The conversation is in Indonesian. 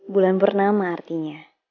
bulan purnama artinya